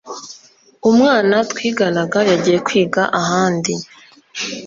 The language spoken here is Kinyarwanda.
umwana twiganaga yagiye kwiga ahandi